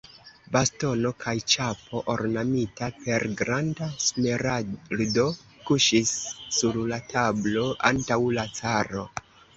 Bastono kaj ĉapo, ornamita per granda smeraldo, kuŝis sur la tablo antaŭ la caro.